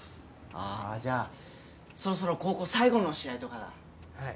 あぁじゃあそろそろ高校最後の試合とかだはい